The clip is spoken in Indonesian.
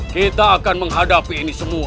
kita akan menghadapi ini semua